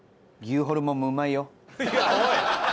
おい！